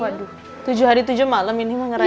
waduh tujuh hari tujuh malem ini mau ngerayani